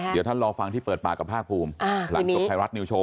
เดี๋ยวท่านรอฟังที่เปิดปากกับภาคภูมิหลังจบไทยรัฐนิวโชว